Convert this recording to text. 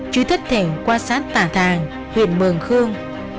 chứ thất thể quan sát tà thàng huyện mường khương